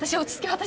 私！